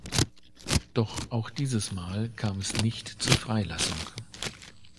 Doch auch dieses Mal kam es nicht zur Freilassung.